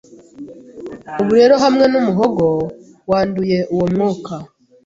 Ubu rero hamwe n'umuhogo wanduye uwo mwuka